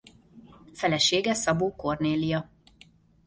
Felesége Szabó Kornélia.